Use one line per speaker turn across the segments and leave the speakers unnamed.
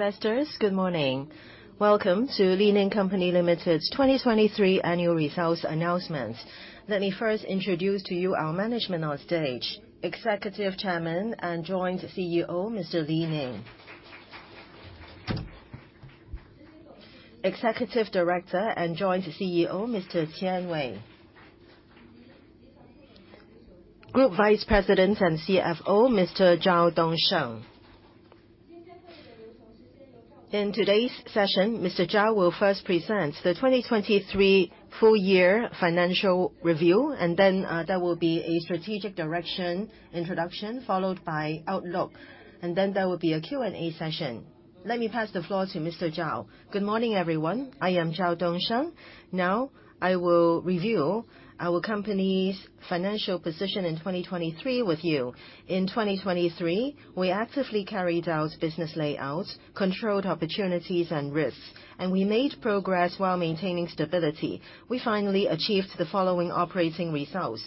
Investors, good morning. Welcome to Li Ning Company Limited's 2023 annual results announcement. Let me first introduce to you our management on stage. Executive Chairman and Joint CEO, Mr. Li Ning. Executive Director and Joint CEO, Mr. Qian Wei. Group Vice President and CFO, Mr. Zhao Dongsheng. In today's session, Mr. Zhao will first present the 2023 full year financial review, and then there will be a strategic direction introduction, followed by outlook, and then there will be a Q&A session. Let me pass the floor to Mr. Zhao.
Good morning, everyone. I am Zhao Dongsheng. Now, I will review our company's financial position in 2023 with you. In 2023, we actively carried out business layout, controlled opportunities and risks, and we made progress while maintaining stability. We finally achieved the following operating results.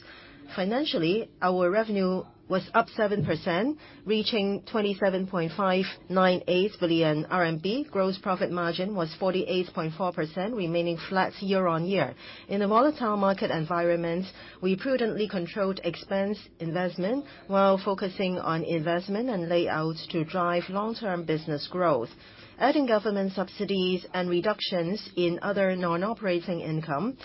Financially, our revenue was up 7%, reaching 27.598 billion RMB. Gross profit margin was 48.4%, remaining flat year-on-year. In a volatile market environment, we prudently controlled expense investment, while focusing on investment and layout to drive long-term business growth. Adding government subsidies and reductions in other non-operating income,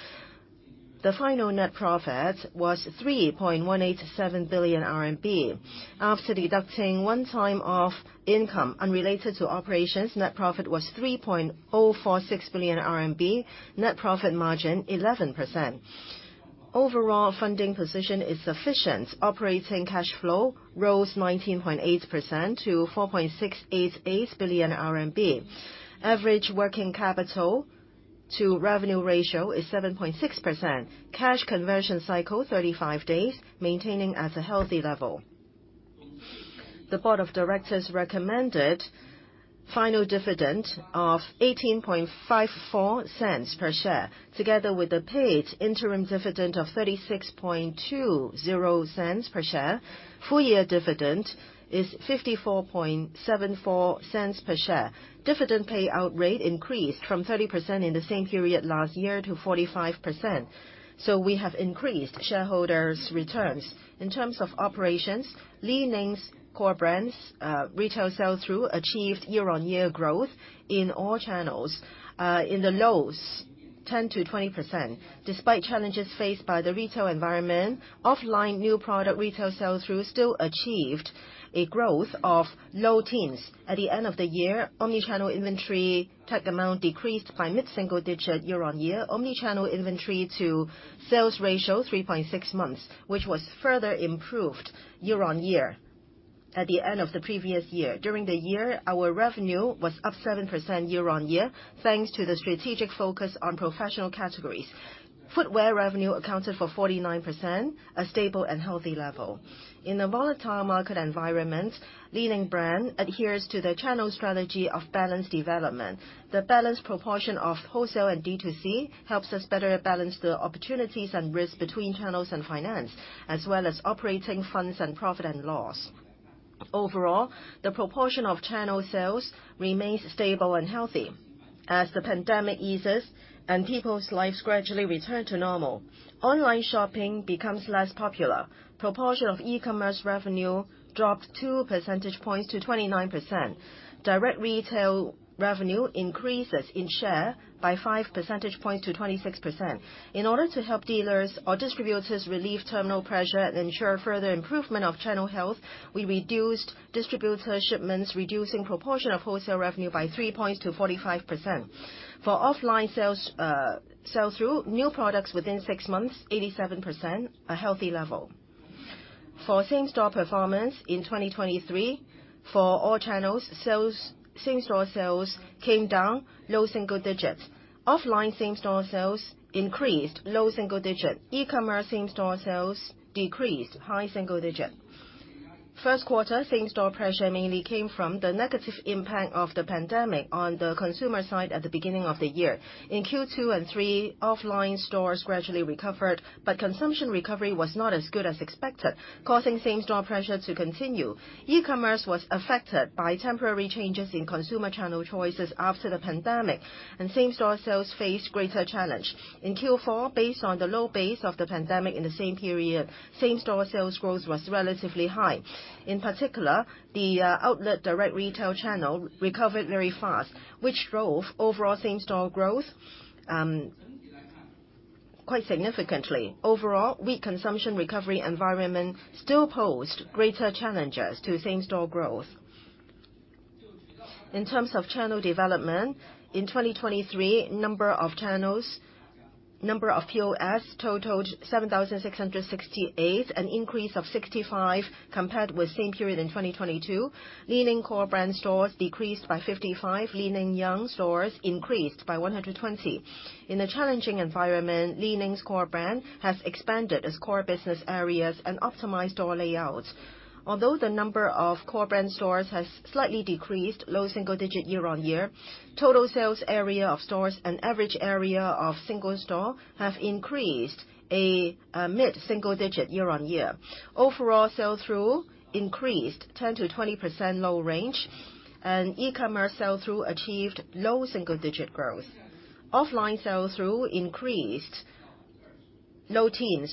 the final net profit was 3.187 billion RMB. After deducting one time of income unrelated to operations, net profit was 3.046 billion RMB, net profit margin 11%. Overall funding position is sufficient. Operating cash flow rose 19.8% to 4.688 billion RMB. Average working capital to revenue ratio is 7.6%. Cash conversion cycle, 35 days, maintaining at a healthy level. The board of directors recommended final dividend of 0.1854 per share, together with the paid interim dividend of 0.3620 per share. Full year dividend is 0.5474 per share. Dividend payout rate increased from 30% in the same period last year to 45%, so we have increased shareholders' returns. In terms of operations, Li Ning's core brands, retail sell-through achieved year-on-year growth in all channels, in the low 10%-20%. Despite challenges faced by the retail environment, offline new product retail sell-through still achieved a growth of low teens. At the end of the year, Omni-channel inventory tag amount decreased by mid-single digit year-on-year. Omni-channel inventory to sales ratio, 3.6 months, which was further improved year-on-year at the end of the previous year. During the year, our revenue was up 7% year-on-year, thanks to the strategic focus on professional categories. Footwear revenue accounted for 49%, a stable and healthy level. In a volatile market environment, Li-Ning brand adheres to the channel strategy of balanced development. The balanced proportion of wholesale and D2C helps us better balance the opportunities and risks between channels and finance, as well as operating funds and profit and loss. Overall, the proportion of channel sales remains stable and healthy. As the pandemic eases and people's lives gradually return to normal, online shopping becomes less popular. Proportion of e-commerce revenue dropped two percentage points to 29%. Direct retail revenue increases in share by five percentage points to 26%. In order to help dealers or distributors relieve terminal pressure and ensure further improvement of channel health, we reduced distributor shipments, reducing proportion of wholesale revenue by three points to 45%. For offline sales, sell-through, new products within six months, 87%, a healthy level. For same-store performance in 2023, for all channels, same-store sales came down low single digits. Offline same-store sales increased low single digits. E-commerce same-store sales decreased high single digits. First quarter same-store pressure mainly came from the negative impact of the pandemic on the consumer side at the beginning of the year. In Q2 and Q3, offline stores gradually recovered, but consumption recovery was not as good as expected, causing same-store pressure to continue. E-commerce was affected by temporary changes in consumer channel choices after the pandemic, and same-store sales faced greater challenge. In Q4, based on the low base of the pandemic in the same period, same-store sales growth was relatively high. In particular, the outlet direct retail channel recovered very fast, which drove overall same-store growth quite significantly. Overall, weak consumption recovery environment still posed greater challenges to same-store growth. In terms of channel development, in 2023, number of channels, number of POS totaled 7,668, an increase of 65 compared with same period in 2022. Li-Ning core brand stores decreased by 55. Li Ning Young stores increased by 120. In a challenging environment, Li Ning's core brand has expanded its core business areas and optimized store layouts. Although the number of core brand stores has slightly decreased, low single-digit year-on-year, total sales area of stores and average area of single store have increased a mid-single-digit year-on-year. Overall sell-through increased 10%-20% low range, and e-commerce sell-through achieved low single-digit growth. Offline sell-through increased low teens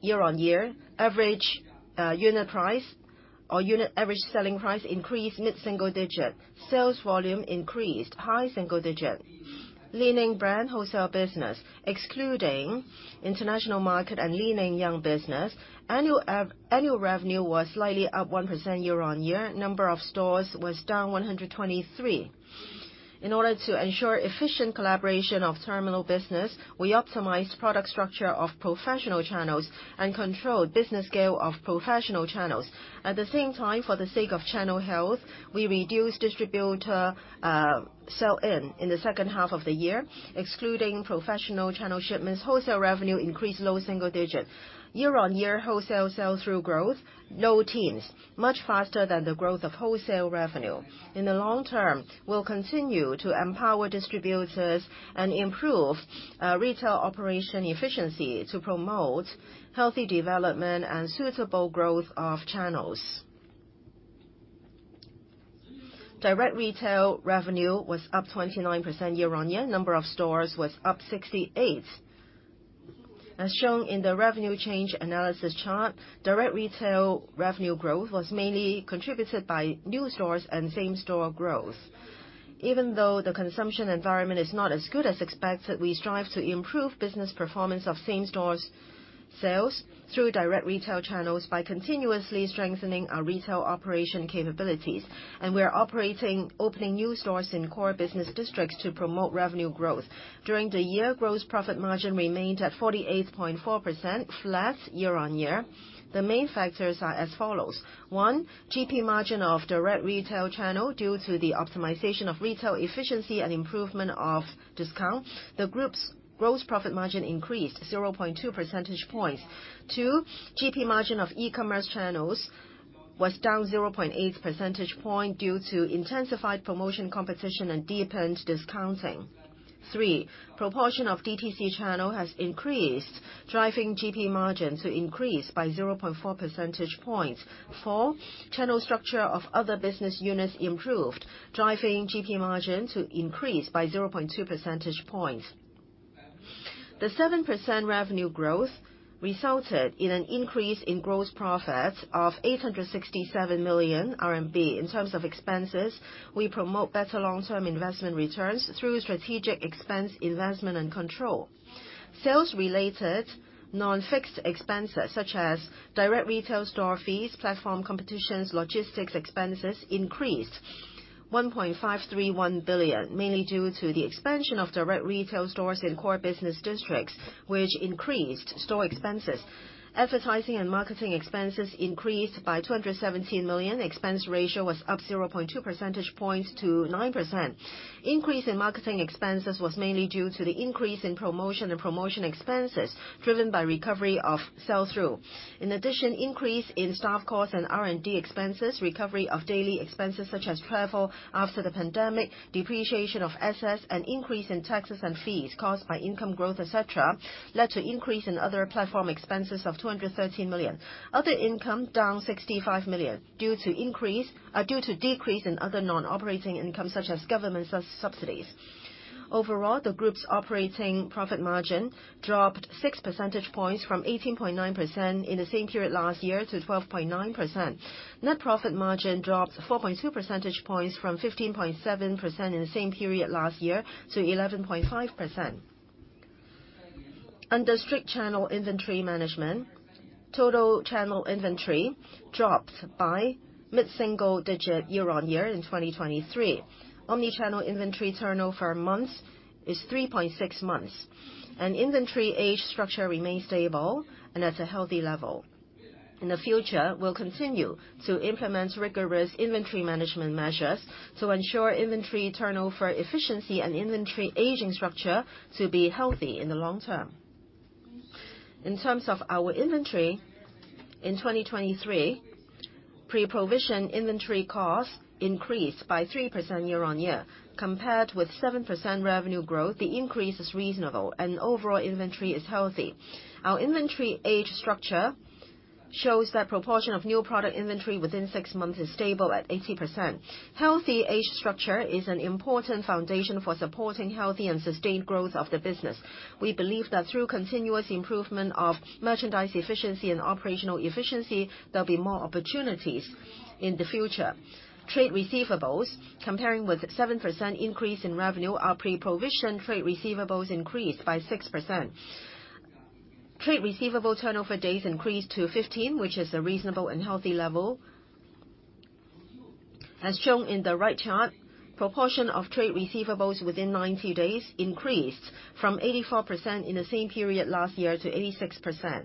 year-on-year. Average unit price or unit average selling price increased mid-single-digit. Sales volume increased high single-digit. Li-Ning brand wholesale business, excluding international market and Li Ning Young business, annual revenue was slightly up 1% year-on-year. Number of stores was down 123. In order to ensure efficient collaboration of terminal business, we optimized product structure of professional channels and controlled business scale of professional channels. At the same time, for the sake of channel health, we reduced distributor sell-in in the second half of the year. Excluding professional channel shipments, wholesale revenue increased low single-digit. Year-on-year wholesale sell-through growth, low teens, much faster than the growth of wholesale revenue. In the long term, we'll continue to empower distributors and improve retail operation efficiency to promote healthy development and suitable growth of channels. Direct retail revenue was up 29% year-on-year. Number of stores was up 68. As shown in the revenue change analysis chart, direct retail revenue growth was mainly contributed by new stores and same-store growth. Even though the consumption environment is not as good as expected, we strive to improve business performance of same-store sales through direct retail channels by continuously strengthening our retail operation capabilities, and we are opening new stores in core business districts to promote revenue growth. During the year, gross profit margin remained at 48.4%, flat year-on-year. The main factors are as follows: One, GP margin of direct retail channel. Due to the optimization of retail efficiency and improvement of discount, the group's gross profit margin increased 0.2 percentage points. Two, GP margin of e-commerce channels was down 0.8 percentage point due to intensified promotion competition and deepened discounting. 3, proportion of DTC channel has increased, driving GP margin to increase by 0.4 percentage points. 4, channel structure of other business units improved, driving GP margin to increase by 0.2 percentage points. The 7% revenue growth resulted in an increase in gross profit of 867 million RMB. In terms of expenses, we promote better long-term investment returns through strategic expense, investment, and control. Sales-related non-fixed expenses, such as direct retail store fees, platform competitions, logistics expenses, increased 1.531 billion, mainly due to the expansion of direct retail stores in core business districts, which increased store expenses. Advertising and marketing expenses increased by 217 million. Expense ratio was up 0.2 percentage points to 9%. Increase in marketing expenses was mainly due to the increase in promotion and promotion expenses, driven by recovery of sell-through. In addition, increase in staff costs and R&D expenses, recovery of daily expenses, such as travel after the pandemic, depreciation of assets, and increase in taxes and fees caused by income growth, et cetera, led to increase in other platform expenses of 213 million. Other income down 65 million, due to decrease in other non-operating incomes such as government subsidies. Overall, the group's operating profit margin dropped 6 percentage points from 18.9% in the same period last year to 12.9%. Net profit margin dropped 4.2 percentage points from 15.7% in the same period last year to 11.5%. Under strict channel inventory management, total channel inventory dropped by mid-single digit year-on-year in 2023. Omnichannel inventory turnover months is 3.6 months, and inventory age structure remains stable and at a healthy level. In the future, we'll continue to implement rigorous inventory management measures to ensure inventory turnover efficiency and inventory aging structure to be healthy in the long term. In terms of our inventory, in 2023, pre-provision inventory costs increased by 3% year-on-year. Compared with 7% revenue growth, the increase is reasonable and overall inventory is healthy. Our inventory age structure shows that proportion of new product inventory within 6 months is stable at 80%. Healthy age structure is an important foundation for supporting healthy and sustained growth of the business. We believe that through continuous improvement of merchandise efficiency and operational efficiency, there'll be more opportunities in the future. Trade receivables, comparing with 7% increase in revenue, our pre-provision trade receivables increased by 6%. Trade receivable turnover days increased to 15, which is a reasonable and healthy level. As shown in the right chart, proportion of trade receivables within 90 days increased from 84% in the same period last year to 86%.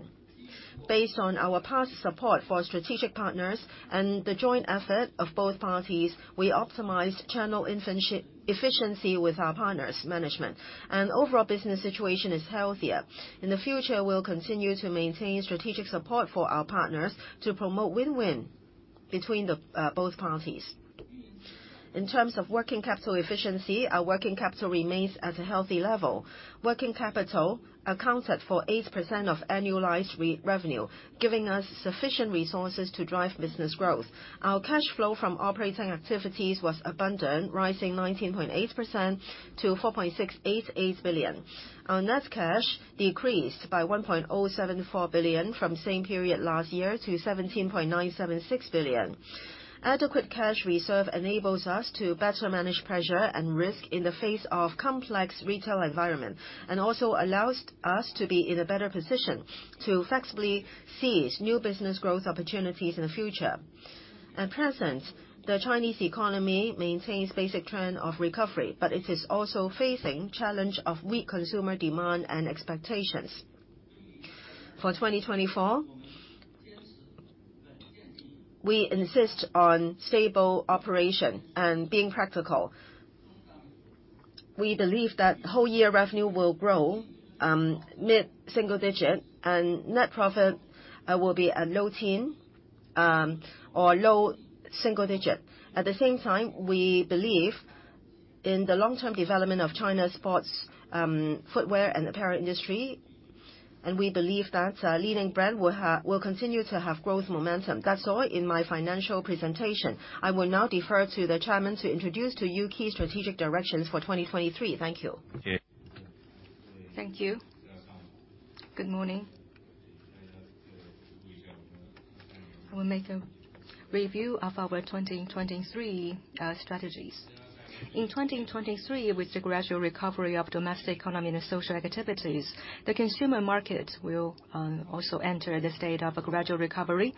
Based on our past support for strategic partners and the joint effort of both parties, we optimized channel finance efficiency with our partners' management, and overall business situation is healthier. In the future, we'll continue to maintain strategic support for our partners to promote win-win between the both parties. In terms of working capital efficiency, our working capital remains at a healthy level. Working capital accounted for 8% of annualized revenue, giving us sufficient resources to drive business growth. Our cash flow from operating activities was abundant, rising 19.8% to 4.688 billion. Our net cash decreased by 1.074 billion from same period last year to 17.976 billion. Adequate cash reserve enables us to better manage pressure and risk in the face of complex retail environment, and also allows us to be in a better position to flexibly seize new business growth opportunities in the future. At present, the Chinese economy maintains basic trend of recovery, but it is also facing challenge of weak consumer demand and expectations. For 2024, we insist on stable operation and being practical. We believe that whole year revenue will grow, mid-single digit, and net profit, will be a low teen, or low single digit. At the same time, we believe in the long-term development of China's sports, footwear and apparel industry, and we believe that, leading brand will continue to have growth momentum. That's all in my financial presentation. I will now defer to the chairman to introduce to you key strategic directions for 2023. Thank you.
Thank you. Good morning. I will make a review of our 2023 strategies. In 2023, with the gradual recovery of domestic economy and social activities, the consumer market will also enter the state of a gradual recovery,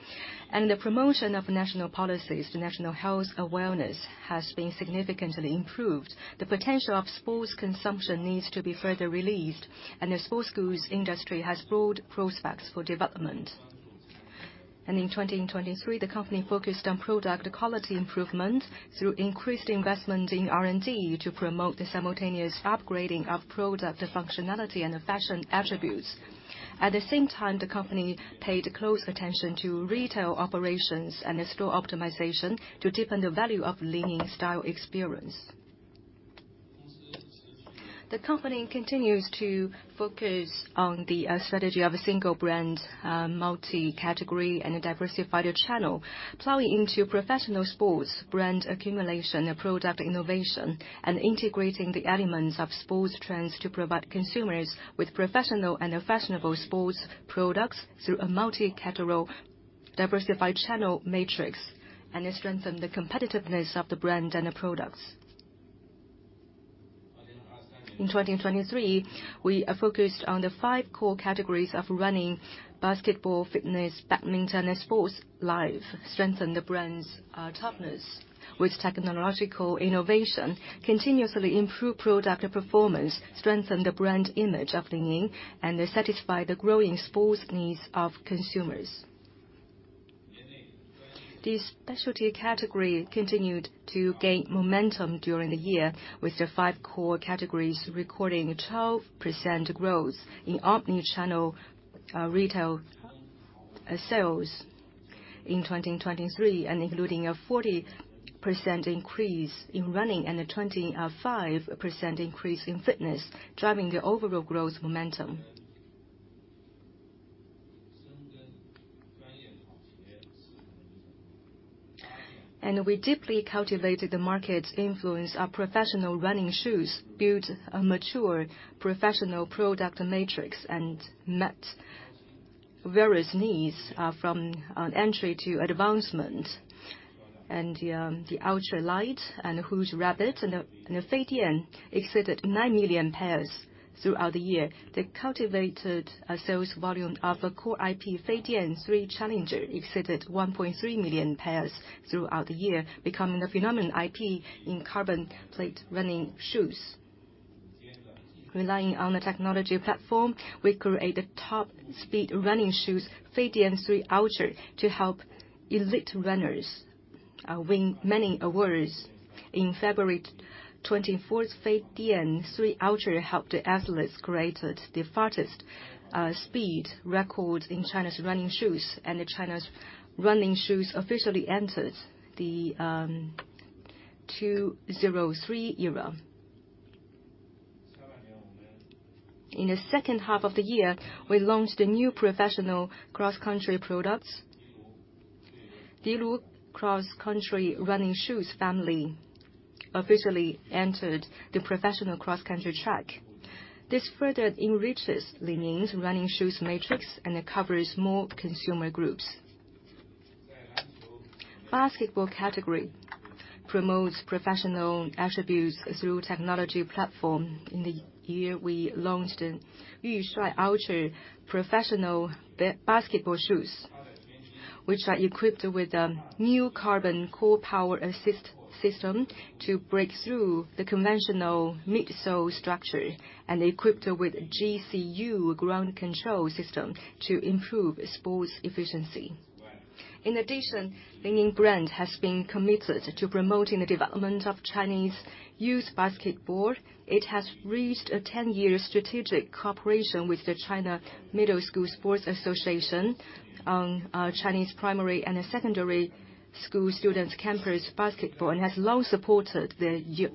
and the promotion of national policies, the national health awareness, has been significantly improved. The potential of sports consumption needs to be further released, and the sports goods industry has broad prospects for development. In 2023, the company focused on product quality improvement through increased investment in R&D to promote the simultaneous upgrading of product functionality and the fashion attributes. At the same time, the company paid close attention to retail operations and the store optimization to deepen the value of leading style experience. The company continues to focus on the strategy of a single brand, multi-category and a diversified channel, plowing into professional sports, brand accumulation and product innovation, and integrating the elements of sports trends to provide consumers with professional and fashionable sports products through a multi-category, diversified channel matrix, and it strengthen the competitiveness of the brand and the products. In 2023, we are focused on the five core categories of running, basketball, fitness, badminton, and sports life, strengthen the brand's toughness with technological innovation, continuously improve product performance, strengthen the brand image of Li-Ning, and satisfy the growing sports needs of consumers. The specialty category continued to gain momentum during the year, with the five core categories recording a 12% growth in omni-channel retail sales in 2023, and including a 40% increase in running and a 25% increase in fitness, driving the overall growth momentum. We deeply cultivated the market influence our professional running shoes, built a mature professional product matrix, and met various needs from entry to advancement. The Super Light and Red Hare and the Feidian exceeded 9 million pairs throughout the year. The cultivated sales volume of a core IP, Feidian 3 Challenger, exceeded 1.3 million pairs throughout the year, becoming a phenomenon IP in carbon plate running shoes. Relying on the technology platform, we created top speed running shoes, Feidian 3 Ultra, to help elite runners win many awards. In February twenty-fourth, Feidian 3 Ultra helped the athletes created the fastest speed record in China's running shoes, and China's running shoes officially entered the 2:03 era. In the second half of the year, we launched a new professional cross-country products. Yueying cross-country running shoes family officially entered the professional cross-country track. This further enriches Li Ning's running shoes matrix, and it covers more consumer groups. Basketball category promotes professional attributes through technology platform. In the year, we launched an Yu Shuai Ultra professional basketball shoes, which are equipped with a new carbon core power assist system to break through the conventional midsole structure, and equipped with GCU ground control system to improve sports efficiency. In addition, Li-Ning brand has been committed to promoting the development of Chinese youth basketball. It has reached a ten-year strategic cooperation with the China Middle School Sports Association on Chinese primary and secondary school students, campus, basketball, and has long supported the youth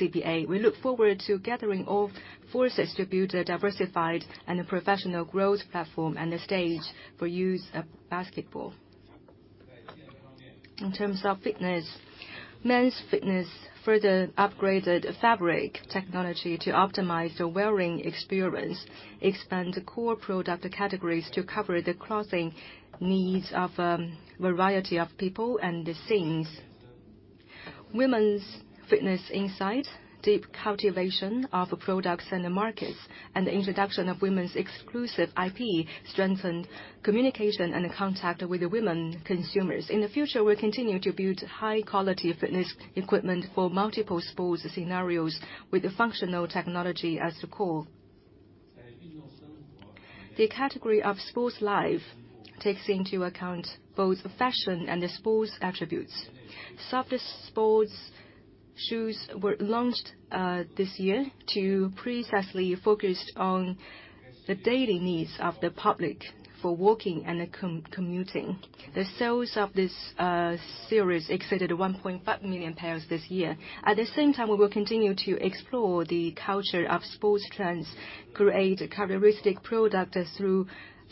CBA. We look forward to gathering all forces to build a diversified and a professional growth platform and a stage for youth basketball. In terms of fitness, men's fitness further upgraded fabric technology to optimize the wearing experience, expand the core product categories to cover the clothing needs of variety of people and the scenes. Women's fitness insight, deep cultivation of products and the markets, and the introduction of women's exclusive IP, strengthened communication and contact with the women consumers. In the future, we'll continue to build high-quality fitness equipment for multiple sports scenarios with the functional technology as the core. The category of sports life takes into account both the fashion and the sports attributes. Soft Go was launched this year to precisely focus on the daily needs of the public for walking and commuting. The sales of this series exceeded 1.5 million pairs this year. At the same time, we will continue to explore the culture of sports trends, create characteristic product through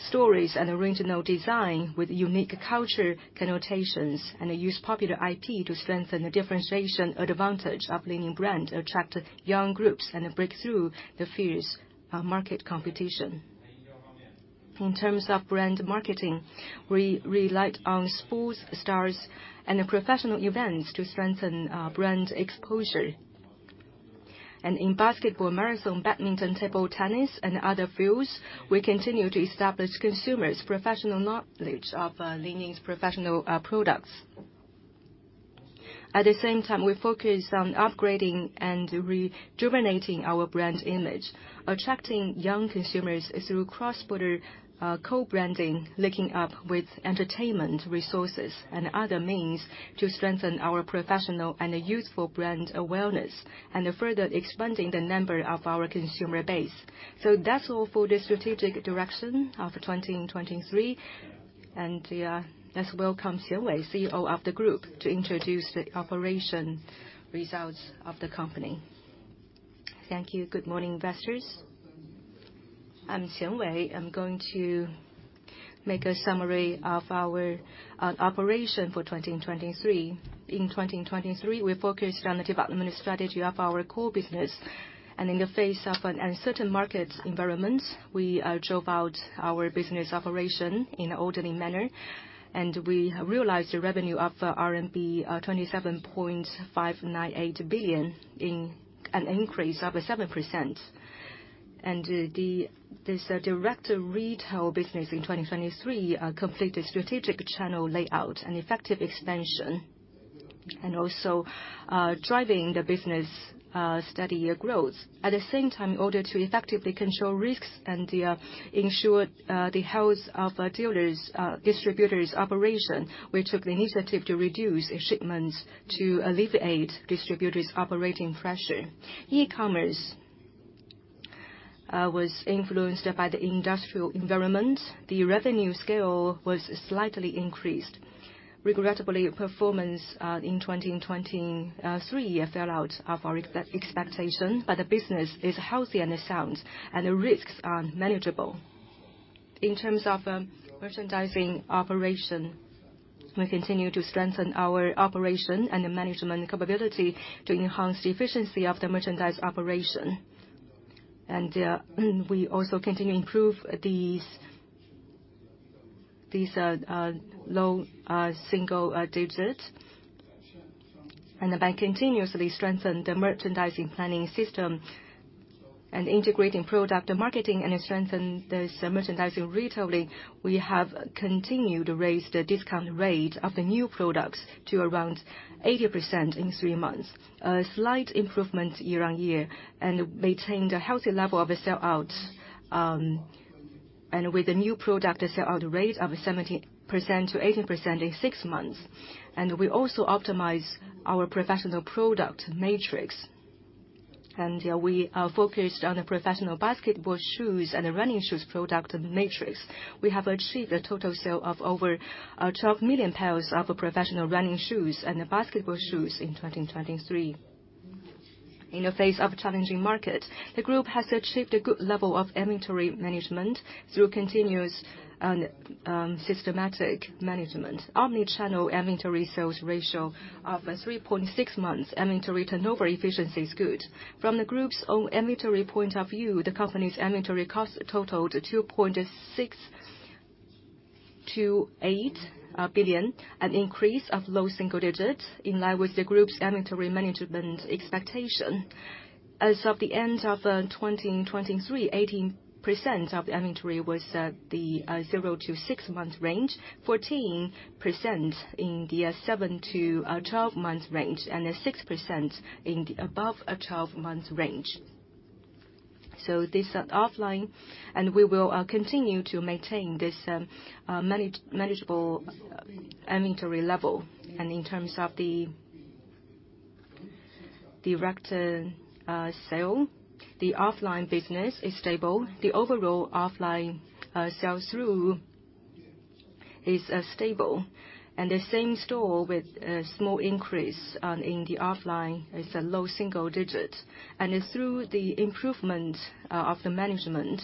stories and original design with unique culture connotations, and use popular IP to strengthen the differentiation advantage of Li-Ning brand, attract young groups, and break through the fierce market competition. In terms of brand marketing, we relied on sports stars and professional events to strengthen brand exposure. In basketball, marathon, badminton, table tennis, and other fields, we continue to establish consumers' professional knowledge of Li Ning's professional products. At the same time, we focus on upgrading and rejuvenating our brand image, attracting young consumers through cross-border, co-branding, linking up with entertainment resources and other means to strengthen our professional and youthful brand awareness, and further expanding the number of our consumer base. So that's all for the strategic direction of 2023, and let's welcome Qian Wei, CEO of the group, to introduce the operation results of the company.
Thank you. Good morning, investors. I'm Qian Wei. I'm going to make a summary of our operation for 2023. In 2023, we focused on the development strategy of our core business, and in the face of an uncertain market environment, we drove out our business operation in an orderly manner, and we realized the revenue of RMB 27.598 billion, in an increase of 7%. This direct retail business in 2023 completed strategic channel layout and effective expansion, and also driving the business steady growth. At the same time, in order to effectively control risks and ensure the health of our dealers, distributors' operation, we took the initiative to reduce shipments to alleviate distributors' operating pressure. E-commerce was influenced by the industrial environment. The revenue scale was slightly increased. Regrettably, performance in 2023 fell out of our expectation, but the business is healthy and it sounds, and the risks are manageable. In terms of merchandising operation, we continue to strengthen our operation and the management capability to enhance the efficiency of the merchandise operation. We also continue to improve these low single digits. By continuously strengthening the merchandising planning system and integrating product marketing and strengthen this merchandising retailing, we have continued to raise the discount rate of the new products to around 80% in three months. A slight improvement year-on-year, and maintained a healthy level of a sellout, and with the new product, a sellout rate of 70%-80% in six months. We also optimize our professional product matrix, and we are focused on the professional basketball shoes and the running shoes product matrix. We have achieved a total sale of over 12 million pairs of professional running shoes and basketball shoes in 2023. In the face of challenging market, the group has achieved a good level of inventory management through continuous and systematic management. Omni-channel inventory sales ratio of 3.6 months. Inventory turnover efficiency is good. From the group's own inventory point of view, the company's inventory cost totaled 2.68 billion, an increase of low single digits, in line with the group's inventory management expectation. As of the end of 2023, 18% of the inventory was at the 0-6-month range, 14% in the 7-12 months range, and 6% in the above 12-month range. So this are offline, and we will continue to maintain this manageable inventory level. And in terms of the direct sale. The offline business is stable. The overall offline sell-through is stable, and the same store with a small increase in the offline is a low single digit. Through the improvement of the management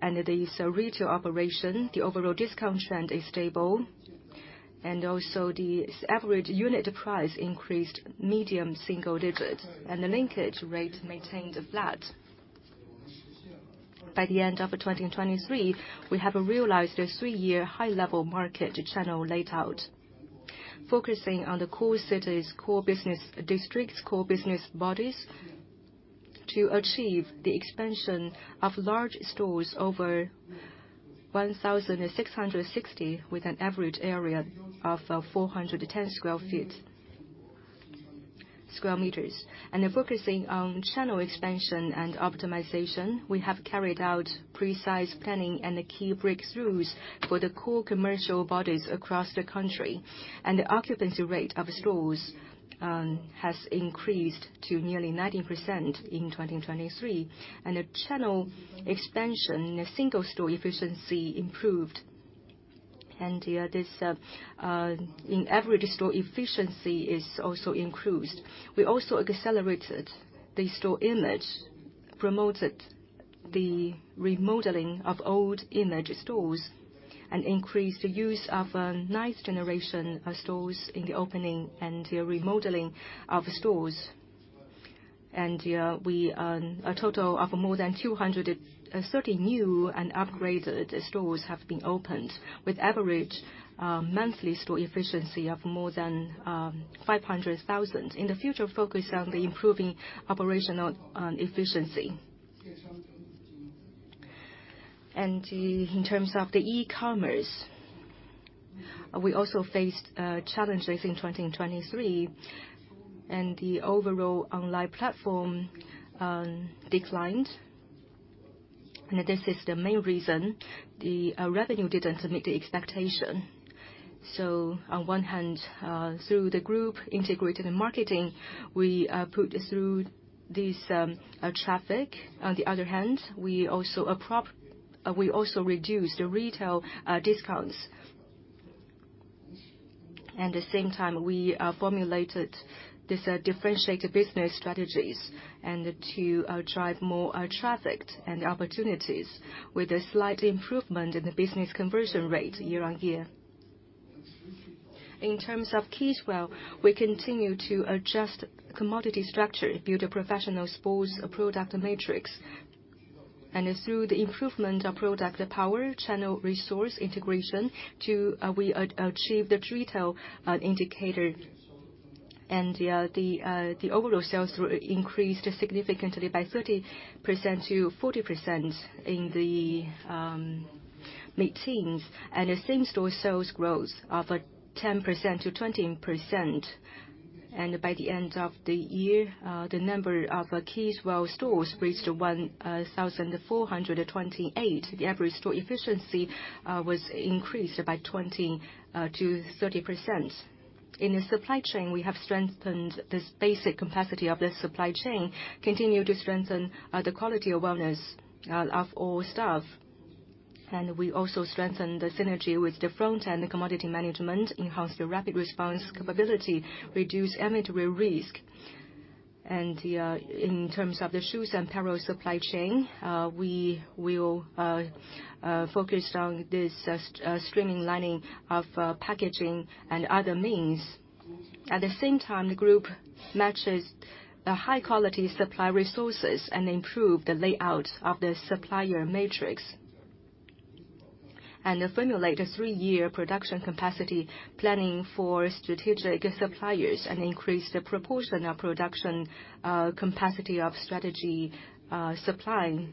and the retail operation, the overall discount trend is stable, and also the average unit price increased mid-single-digit, and the linkage rate maintained flat. By the end of 2023, we have realized a three-year high-level market channel layout, focusing on the core cities, core business districts, core business bodies, to achieve the expansion of large stores over 1,060, with an average area of 410 square meters. Focusing on channel expansion and optimization, we have carried out precise planning and key breakthroughs for the core commercial bodies across the country. The occupancy rate of stores has increased to nearly 90% in 2023, and the channel expansion and the single-store efficiency improved. This in average store efficiency is also increased. We also accelerated the store image, promoted the remodeling of old image stores, and increased the use of ninth generation stores in the opening and remodeling of stores. A total of more than 230 new and upgraded stores have been opened, with average monthly store efficiency of more than 500,000. In the future, focus on the improving operational efficiency. In terms of the e-commerce, we also faced challenges in 2023, and the overall online platform declined. This is the main reason the revenue didn't meet the expectation. On one hand, through the group integrated marketing, we put through this traffic. On the other hand, we also reduced the retail discounts. At the same time, we formulated these differentiated business strategies and to drive more traffic and opportunities with a slight improvement in the business conversion rate year on year. In terms of Li Ning YOUNG, we continue to adjust commodity structure, build a professional sports product matrix, and through the improvement of product power, channel resource integration, to we achieve the retail indicator. And the overall sales increased significantly by 30%-40% in the mid-teens, and the same-store sales growth of 10%-20%. And by the end of the year, the number of Li Ning YOUNG stores reached 1,428. The average store efficiency was increased by 20%-30%. In the supply chain, we have strengthened this basic capacity of the supply chain, continue to strengthen the quality awareness of all staff. We also strengthened the synergy with the front and the commodity management, enhanced the rapid response capability, reduced inventory risk. In terms of the shoes and apparel supply chain, we will focus on this streamlining of packaging and other means. At the same time, the group matches the high-quality supply resources and improve the layout of the supplier matrix, and formulate a three-year production capacity planning for strategic suppliers and increase the proportion of production capacity of strategic suppliers.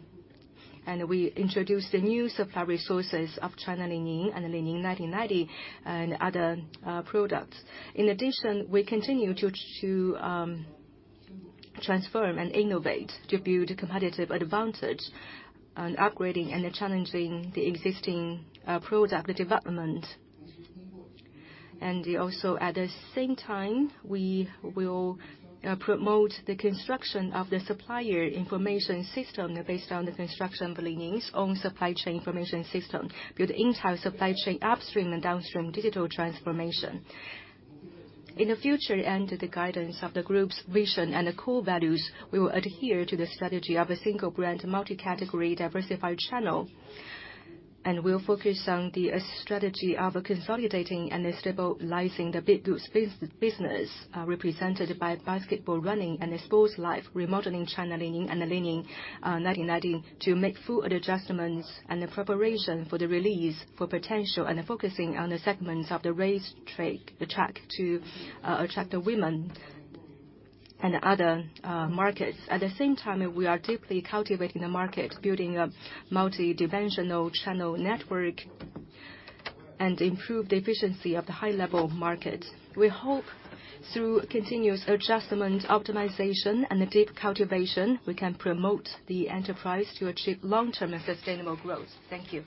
We introduced the new supply resources of China Li Ning and Li Ning 1990 and other products. In addition, we continue to transform and innovate to build a competitive advantage on upgrading and challenging the existing product development. And also, at the same time, we will promote the construction of the supplier information system based on the construction of Li Ning's own supply chain information system, build the entire supply chain upstream and downstream digital transformation. In the future, under the guidance of the group's vision and the core values, we will adhere to the strategy of a single brand, multi-category, diversified channel, and we'll focus on the strategy of consolidating and stabilizing the big goods business, represented by basketball, running, and sports life, remodeling China Li Ning and Li Ning 1990, to make full adjustments and the preparation for the release for potential and focusing on the segments of the race track to attract the women and other markets. At the same time, we are deeply cultivating the market, building a multidimensional channel network and improve the efficiency of the high-level market. We hope through continuous adjustment, optimization, and deep cultivation, we can promote the enterprise to achieve long-term and sustainable growth. Thank you.